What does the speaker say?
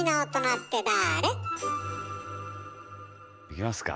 いきますか？